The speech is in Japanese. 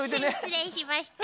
失礼しました。